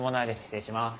失礼します。